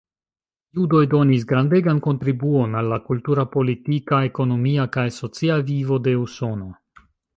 Judoj donis grandegan kontribuon al la kultura, politika, ekonomia kaj socia vivo de Usono.